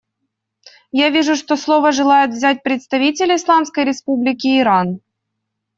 Я вижу, что слово желает взять представитель Исламской Республики Иран.